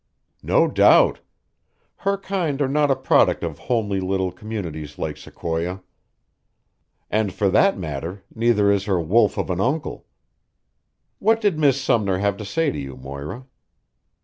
"No doubt! Her kind are not a product of homely little communities like Sequoia. And for that matter, neither is her wolf of an uncle. What did Miss Sumner have to say to you, Moira?"